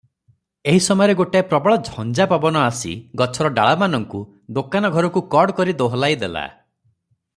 ଏହି ସମୟରେ ଗୋଟାଏ ପ୍ରବଳ ଝଞ୍ଜା ପବନ ଆସି ଗଛର ଡାଳମାନଙ୍କୁ ଦୋକାନ ଘରକୁ କଡ଼କରି ଦେହଲାଇଦେଲା ।